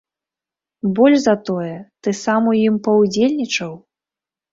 Больш за тое, ты сам у ім паўдзельнічаў?